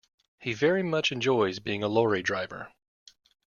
He very much enjoys being a lorry driver